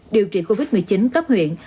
điều trị covid một mươi chín cấp huyện